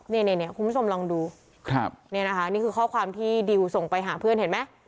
เนี่ยคุณผู้ชมลองดูครับนี่นะคะนี่คือข้อความที่ดิวส่งไปหาเพื่อนเห็นไหม